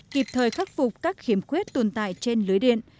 kịp thời khắc phục các khiếm khuyết tồn tại trên lưới điện